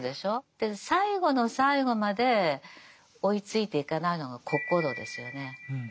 で最後の最後まで追いついていかないのが心ですよね。